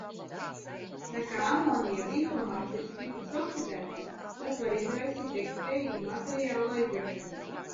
Tā kā amonija dihromāts ir stiprs oksidētājs, tas var izraisīt degtspējīgu materiālu aizdegšanos.